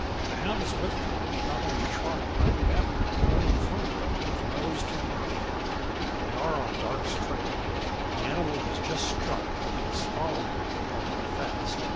The hound is with them, not now trotting idly after, but in front, with nose to the earth. They are on Darke's trail. The animal has just struck, and is following it, though not fast.